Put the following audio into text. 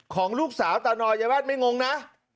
ของลูกสาวตานอยยายวาดไม่งงนะ